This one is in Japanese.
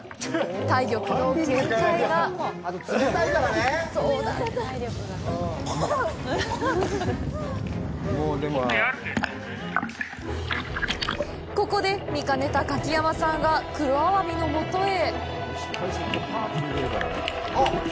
体力の限界がここで、見かねた柿山さんが黒アワビのもとへ。